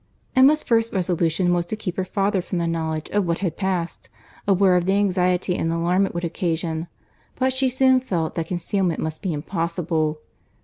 Emma's first resolution was to keep her father from the knowledge of what had passed,—aware of the anxiety and alarm it would occasion: but she soon felt that concealment must be impossible.